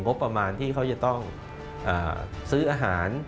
งบประมาณที่เขาจะต้องซื้ออาหาร